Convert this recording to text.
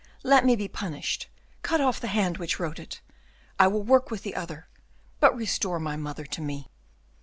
Let me be punished cut off the hand which wrote it, I will work with the other but restore my mother to me."